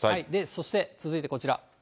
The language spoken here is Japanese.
そして続いてこちら。